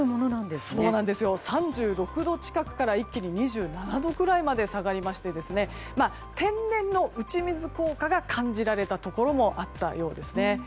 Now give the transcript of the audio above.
３６度近くから一気に２７度近くまで下がりまして天然の打ち水効果が感じられたところもあったようですね。